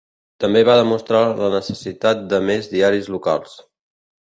També va demostrar la necessitat de més diaris locals.